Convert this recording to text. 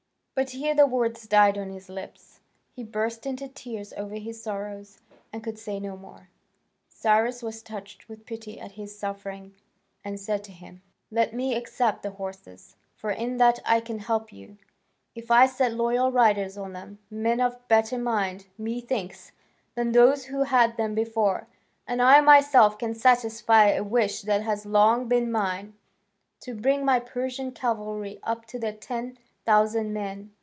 But here the words died on his lips; he burst into tears over his sorrows, and could say no more. Cyrus was touched with pity at his suffering and said to him: "Let me accept the horses, for in that I can help you, if I set loyal riders on them, men of a better mind, methinks, than those who had them before, and I myself can satisfy a wish that has long been mine, to bring my Persian cavalry up to ten thousand men.